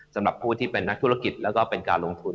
สำหรับผู้ที่เป็นนักธุรกิจและการลงทุน